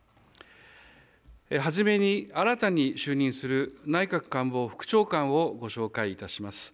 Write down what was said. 初めに新たに就任する内閣官房副長官をご紹介いたします。